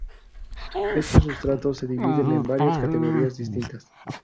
Estos sustratos se dividen en varias categorías distintas.